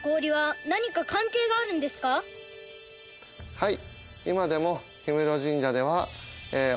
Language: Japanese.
はい。